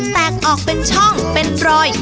แตกออกเป็นช่องเป็นรอย